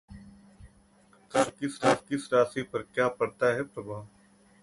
शुक्र का किस राशि पर क्या पड़ता है प्रभाव?